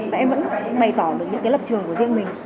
và em vẫn bày tỏ được những cái lập trường của riêng mình